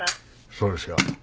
そうですが。